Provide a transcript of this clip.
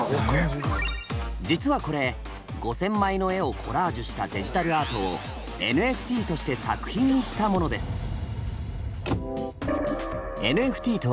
実はこれ５，０００枚の絵をコラージュしたデジタルアートを「ＮＦＴ」として作品にしたものです。